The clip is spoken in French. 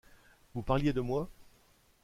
Vous parliez de moi ?